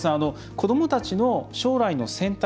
子どもたちの将来の選択。